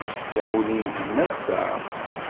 D amulli-nnem ass-a?